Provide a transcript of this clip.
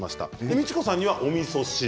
ミチコさんにはおみそ汁。